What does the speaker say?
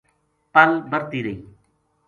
پل بَرتی رہی